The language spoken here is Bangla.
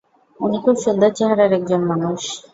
উনি খুব সুন্দর চেহারার একজন মানুষ।